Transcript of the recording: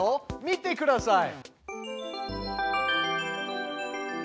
見てください。